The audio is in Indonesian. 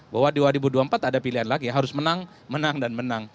bahwa dua ribu dua puluh empat ada pilihan lagi harus menang menang dan menang